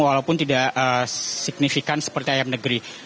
walaupun tidak signifikan seperti ayam negeri